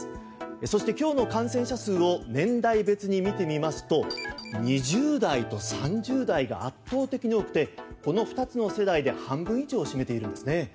そして、今日の感染者数を年代別に見てみますと２０代と３０代が圧倒的に多くてこの２つの世代で半分以上を占めているんですね。